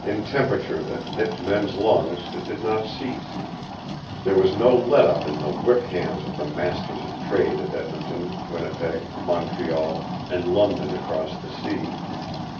In temperature that nipped men's lungs it did not cease. There was no let up in the whip hands of the masters of trade at Edmonton, Winnipeg, Montreal, and London across the sea.